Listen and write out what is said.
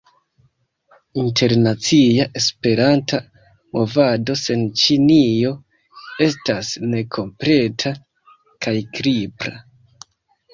Internacia Esperanta movado sen Ĉinio estas nekompleta kaj kripla.